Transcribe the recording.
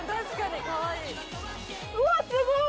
うわっすごい！